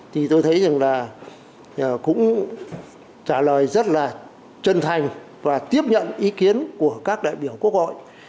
thì tôi thấy rằng là cũng trả lời rất là chân thành và tiếp nhận ý kiến của các đại biểu quốc hội